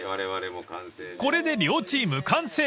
［これで両チーム完成］